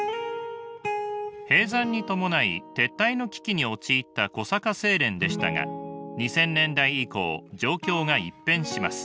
閉山に伴い撤退の危機に陥った小坂製錬でしたが２０００年代以降状況が一変します。